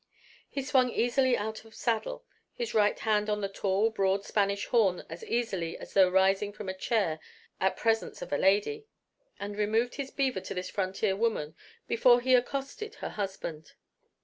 He swung easily out of saddle, his right hand on the tall, broad Spanish horn as easily as though rising from a chair at presence of a lady, and removed his beaver to this frontier woman before he accosted her husband.